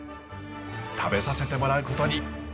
食べさせてもらうことに。